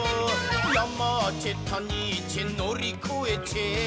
「ヤマーチェたにーちぇのりこえちぇ」